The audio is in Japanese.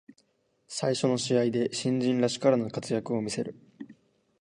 最初の試合で新人らしからぬ活躍を見せる